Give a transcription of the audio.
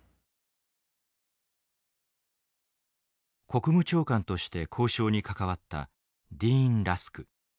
国務長官として交渉に関わったディーン・ラスク。